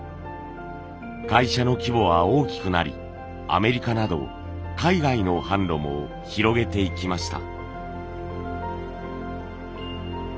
会社の規模は大きくなりアメリカなど海外の販路も広げていきました。